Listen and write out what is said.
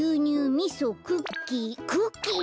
みそクッキークッキー？